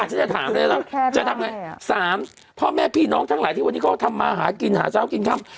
อ่าจะทำไงสามพ่อแม่พี่น้องทั้งหลายที่วันนี้เขาทำมาหากินหาเจ้ากินข้ำ